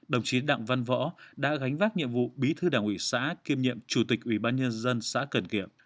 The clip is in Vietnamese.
đồng chí đặng văn võ đã gánh vác nhiệm vụ bí thư đảng ủy xã kiêm nhiệm chủ tịch ubnd xã cần kiệm